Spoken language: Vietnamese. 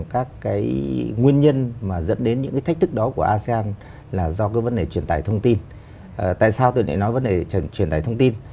các cái nguyên nhân mà dẫn đến những cái thách thức đó của asean là do cái vấn đề truyền tải thông tin tại sao tôi lại nói vấn đề truyền tải thông tin